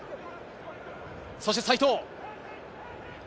そして齋藤。